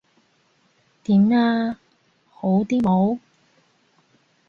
點呀？好啲冇？